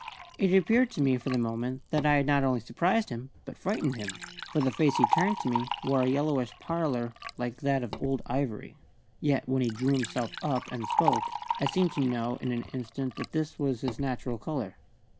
It appeared to me for the moment that I had not only surprised him but frightened him, for the face he turned to me wore a yellowish pallor like that of old ivory. Yet when he drew himself up and spoke, I seemed to know in an instant that this was his natural colour.